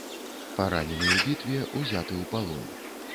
Паранены ў бітве, узяты ў палон.